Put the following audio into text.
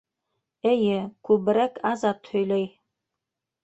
Әйе, күберәк Азат һөйләй.